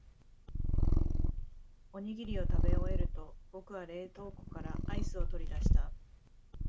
おにぎりを食べ終えると、僕は冷凍庫からアイスを取り出した。